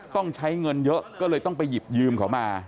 ต้องใช้เงินเยอะก็เลยต้องไปหยิบยืมเขามา